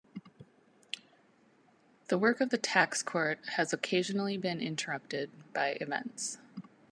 The work of the Tax Court has occasionally been interrupted by events.